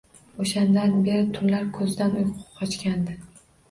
O‘shandan beri tunlar ko‘zidan uyqu qochgandi.